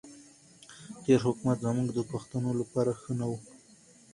تېر حکومت زموږ پښتنو لپاره ښه نه وو.